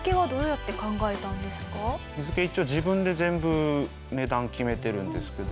値付け一応自分で全部値段決めてるんですけど。